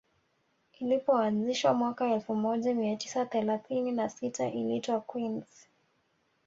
Ilipoanzishwa mwaka elfu moja mia tisa thelathini na sita iliitwa Queens